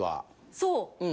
そう。